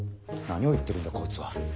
何を言ってるんだこいつは。